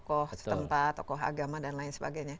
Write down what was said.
tokoh setempat tokoh agama dan lain sebagainya